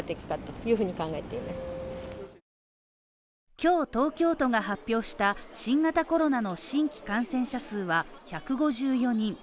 今日東京都が発表した新型コロナの新規感染者数は１５４人。